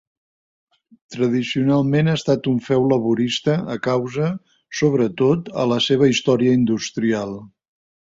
Tradicionalment ha estat un feu laborista, a causa, sobretot, a la seva història industrial.